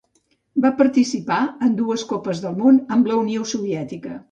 Va participar en dues Copes del Món amb la Unió Soviètica.